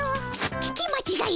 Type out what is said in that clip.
聞きまちがいじゃ。